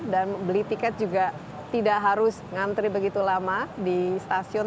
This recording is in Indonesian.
dan beli tiket juga tidak harus ngantri begitu lama di stasiun